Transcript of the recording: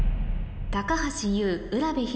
高橋ユウ卜部弘